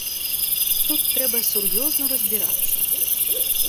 Тут трэба сур'ёзна разбірацца.